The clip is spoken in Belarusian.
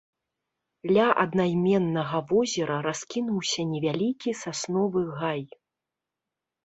Ля аднайменнага возера раскінуўся невялікі сасновы гай.